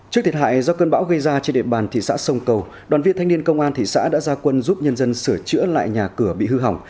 trước thiệt hại do cơn bão gây ra trên địa bàn thị xã sông cầu đoàn viên thanh niên công an thị xã đã ra quân giúp nhân dân sửa chữa lại nhà cửa bị hư hỏng